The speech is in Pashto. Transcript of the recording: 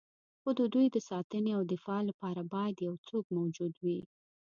خو د دوی د ساتنې او دفاع لپاره باید یو څوک موجود وي.